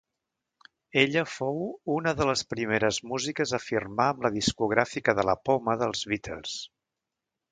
Ella fou una de les primeres músiques a firmar amb la discogràfica de la poma dels Beatles.